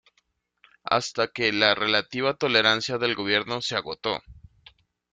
Hasta que la relativa tolerancia del gobierno se agotó.